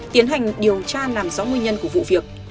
tiến hành điều tra làm rõ nguyên nhân của vụ việc